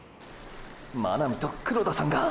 真波と黒田さんが！！